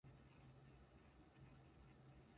重たい荷物は嫌だ